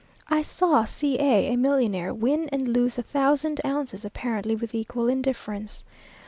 I saw C a, a millionaire, win and lose a thousand ounces apparently with equal indifference.